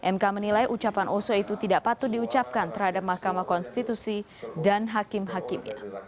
mk menilai ucapan oso itu tidak patut diucapkan terhadap mahkamah konstitusi dan hakim hakimnya